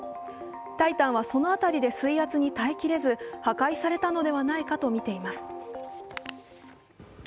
「タイタン」はそのあたりで水圧に耐えきれず破壊されたのではないかとみています。